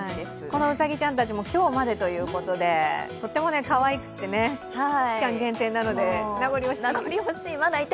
このうさぎちゃんたちも今日までということで、とってもかわいくてね、期間限定なので、名残惜しい。